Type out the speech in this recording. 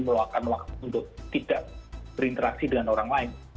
meluangkan waktu untuk tidak berinteraksi dengan orang lain